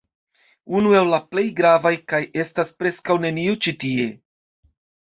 Unu el la plej gravaj kaj estas preskaŭ nenio ĉi tie